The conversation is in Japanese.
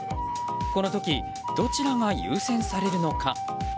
この時、どちらが優先されるのか。